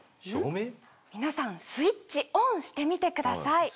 皆さんスイッチオンしてみてください。